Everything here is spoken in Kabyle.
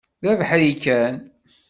D abeḥri kan.